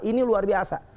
ini luar biasa